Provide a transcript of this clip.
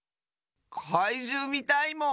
かいじゅうみたいもん！